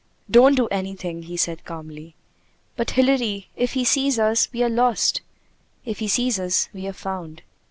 "Don't do anything," he said calmly. "But Hilary, if he sees us, we are lost." "If he sees us, we are found."